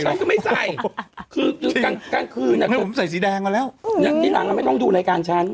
ฉันก็ไม่ใส่คืนตรงกลางคืนนะคะถ้าผมใส่สีแดงแล้วอย่างจะมาก็ไม่ต้องดูรายการฉัน